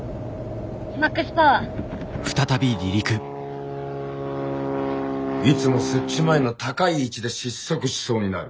Ｍａｘｐｏｗｅｒ．いつも設置前の高い位置で失速しそうになる。